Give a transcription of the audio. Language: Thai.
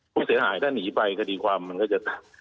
ผู้เสียหายถ้าหนีไปคดีความมันก็จะ